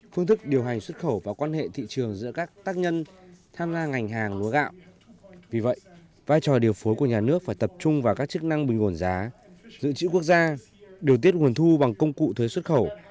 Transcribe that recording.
phương thức điều hành xuất khẩu và quan hệ thị trường giữa các tác nhân tham gia ngành hàng lúa gạo vì vậy vai trò điều phối của nhà nước phải tập trung vào các chức năng bình ổn giá dự trữ quốc gia điều tiết nguồn thu bằng công cụ thuế xuất khẩu